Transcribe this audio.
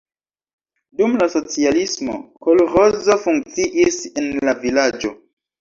Dum la socialismo kolĥozo funkciis en la vilaĝo.